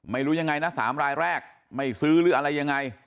ไม่รู้ยังไงนะ๓รายแรกไม่ซื้อหรืออะไรยังไง